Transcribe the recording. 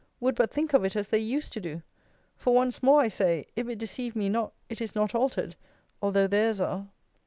Would but think of it as they used to do! For once more, I say, If it deceive me not, it is not altered, although theirs are!